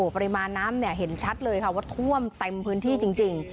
ปริมาณน้ำเห็นชัดเลยค่ะว่าท่วมเต็มพื้นที่จริง